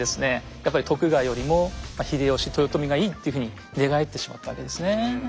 やっぱり徳川よりも秀吉豊臣がいいっていうふうに寝返ってしまったわけですね。